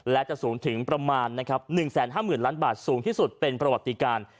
และจะสูงถึงประมาณ๑๕๐๐๐ล้านบาทสูงที่สุดเป็นประวัติการ